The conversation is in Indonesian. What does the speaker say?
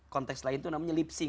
konteks lain itu namanya lipssing